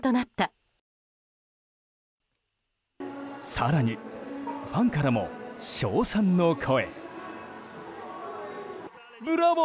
更に、ファンからも称賛の声。